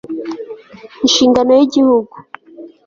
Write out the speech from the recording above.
inshingano y'igihugu